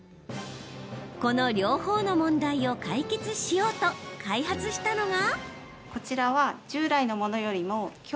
この両方の問題を解決しようと開発したのが。